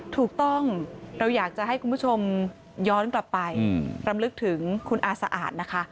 ถูกต้องเราอยากจะให้คุณผู้ชมย้อนกลับไปรำลึกถึงคุณอาสะอาดนะคะ